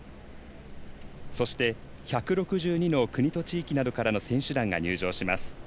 そして、１６２の国と地域などからの選手団が入場します。